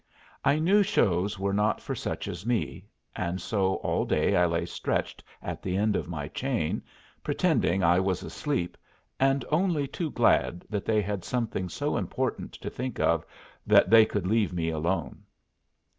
I knew shows were not for such as me, and so all day I lay stretched at the end of my chain, pretending I was asleep, and only too glad that they had something so important to think of that they could leave me alone.